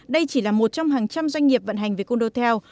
đây chỉ là một trong hàng trăm doanh nghiệp vận hành về condotel